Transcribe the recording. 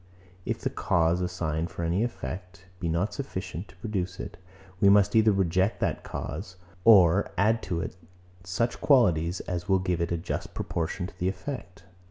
If the cause, assigned for any effect, be not sufficient to produce it, we must either reject that cause, or add to it such qualities as will give it a just proportion to the effect.